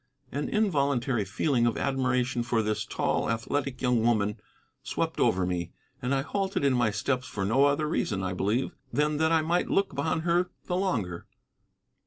An involuntary feeling of admiration for this tall, athletic young woman swept over me, and I halted in my steps for no other reason, I believe, than that I might look upon her the longer.